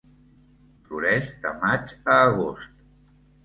Floreix de maig a agost.